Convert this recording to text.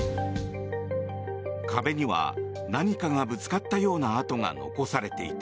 壁には何かがぶつかったような跡が残されていた。